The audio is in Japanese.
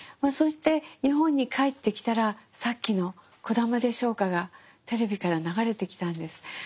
そして日本に帰ってきたらさっきの「こだまでしょうか」がテレビから流れてきたんです。